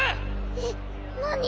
えっ何？